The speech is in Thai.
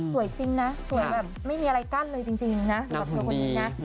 สวยจริงนะสวยแบบไม่มีอะไรกั้นเลยจริงนะสำหรับเธอคนนี้นะ